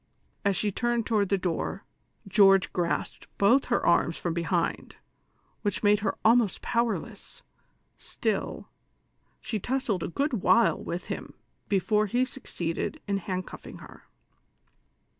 As she turned toward the door, George grasped both her arms from behind, which made her almost powerless ; still, she tussled a good while with him before he succeeded iu hand cutHng her.